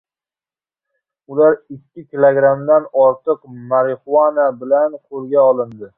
Ular ikki kilogramdan ortiq “marixuana” bilan qoʻlga olindi.